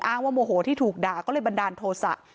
ว่าโมโหที่ถูกด่าก็เลยบันดาลโทษะ